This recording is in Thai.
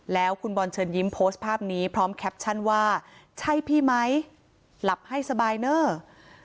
แล้วคุณบอลเชิญยิ้มโพสต์ภาพนี้พร้อมแคปชั่นว่าใช่พี่ไหมหลับให้สบายเนอะ